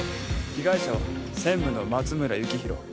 被害者は専務の松村幸弘